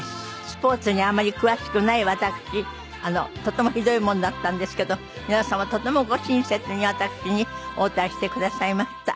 スポーツにあんまり詳しくない私とってもひどいもんだったんですけど皆様とてもご親切に私に応対してくださいました。